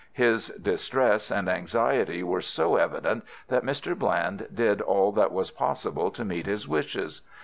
His distress and anxiety were so evident that Mr. Bland did all that was possible to meet his wishes.